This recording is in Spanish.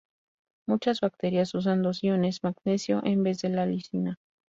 Muchas bacterias usan dos iones magnesio en vez de la lisina.